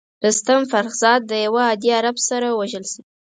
رستم فرخ زاد د یوه عادي عرب سره وژل شي.